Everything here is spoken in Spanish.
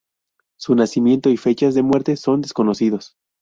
Su nacimiento y fechas de muerte son desconocidos.